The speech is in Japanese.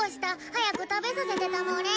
早く食べさせてたもれ。